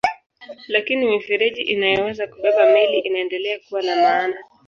Lakini mifereji inayoweza kubeba meli inaendelea kuwa na maana.